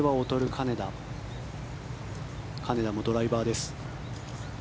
金田もドライバーです。